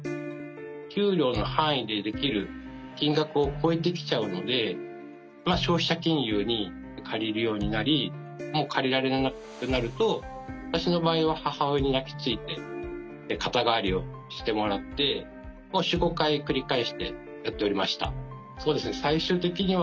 給料の範囲でできる金額を超えてきちゃうので消費者金融に借りるようになりもう借りられなくなると私の場合は母親に泣きついて肩代わりをしてもらって４５回繰り返してやっておりました。